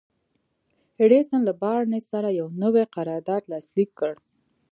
ايډېسن له بارنس سره يو نوی قرارداد لاسليک کړ.